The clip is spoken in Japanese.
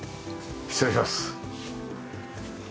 失礼します。